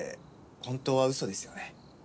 本当はウソですよね？